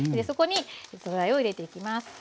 そこに素材を入れていきます。